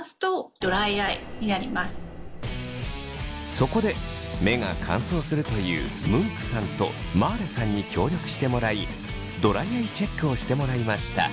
そこで目が乾燥するというムンクさんとまあれさんに協力してもらいドライアイチェックをしてもらいました。